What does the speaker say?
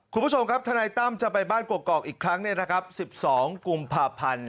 คุณผู้ชมครับทนายตั้มจะไปบ้านกรอกอีกครั้ง๑๒กุมภาพันธ์